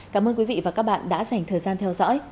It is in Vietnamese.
cảm ơn quý vị và các bạn đã dành thời gian theo dõi